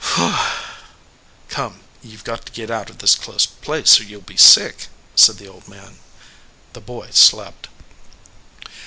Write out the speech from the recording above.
"Come, you ve got to git out of this close place or you ll be sick," said the old man. The boy slept.